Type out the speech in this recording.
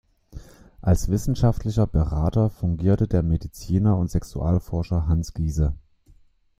Als wissenschaftlicher Berater fungierte der Mediziner und Sexualforscher Hans Giese.